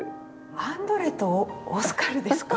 アンドレとオスカルですか。